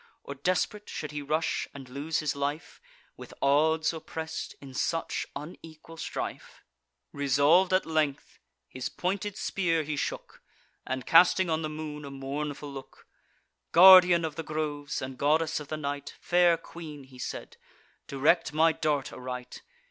Or desperate should he rush and lose his life, With odds oppress'd, in such unequal strife? Resolv'd at length, his pointed spear he shook; And, casting on the moon a mournful look: "Guardian of groves, and goddess of the night, Fair queen," he said, "direct my dart aright.